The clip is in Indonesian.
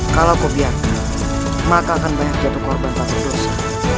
kalau kau biarkan maka akan banyak jatuh korban takut dosa